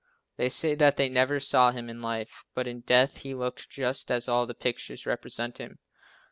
They say that they never saw him in life, but in death he looked just as all the pictures represent him.